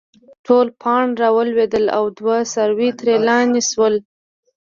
ټول پاڼ راولويد او دوه څاروي ترې لانې شول